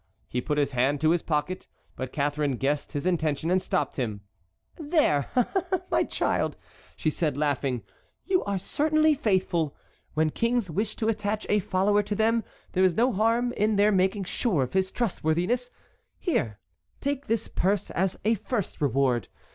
He put his hand to his pocket, but Catharine guessed his intention and stopped him. "There, my child," said she, laughing, "you are certainly faithful. When kings wish to attach a follower to them there is no harm in their making sure of his trustworthiness. Here, take this purse as a first reward.